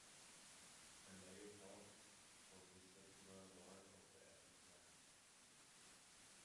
A "lay abbott" was the secular lord of the abbey's lands.